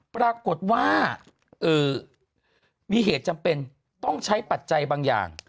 ปรากฏว่ามีเหตุจำเป็นต้องใช้ปัจจัยบางอย่าง